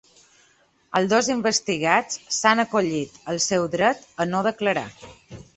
Els dos investigats s’han acollit al seu dret a no declarar.